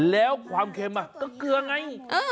แล้วความเค็มก็เกลือไง